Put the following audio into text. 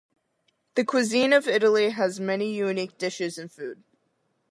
The cuisine of Italy has many unique dishes and foods.